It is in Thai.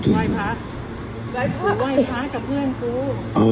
ว่าเกี่ยว